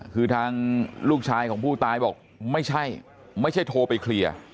คือทางลูกชายของผู้ตายบอกไม่ใช่ไม่ใช่โทรไปเคลียร์